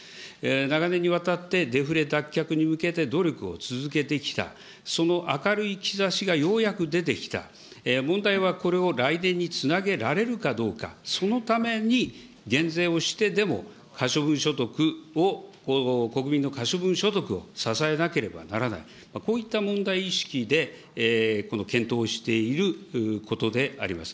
長年にわたってデフレ脱却に向けて努力を続けてきた、その明るい兆しがようやく出てきた、問題はこれを来年につなげられるかどうか、そのために減税をしてでも、可処分所得を、国民の可処分所得を支えなければならない、こういった問題意識でこの検討をしていることであります。